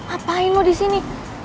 apain lo disini